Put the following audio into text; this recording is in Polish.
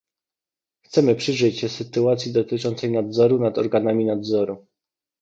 Chcemy przyjrzeć się sytuacji dotyczącej nadzoru nad organami nadzoru